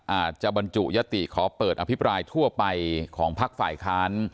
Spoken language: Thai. อาจจะบรรจุยติขอเปิดอภิปรายทั่วไปของพักฝ่ายค้าน